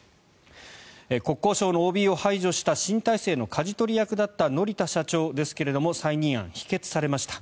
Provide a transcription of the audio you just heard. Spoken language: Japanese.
国交省のＯＢを排除した新体制のかじ取り役だった乗田社長ですが再任案、否決されました。